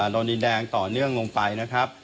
โดนดินแดงต่อเนื่องลงไปนะครับ